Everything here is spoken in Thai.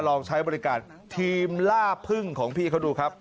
ลองใช้บริการทีมล่าพึ่งของพี่เขาดูครับ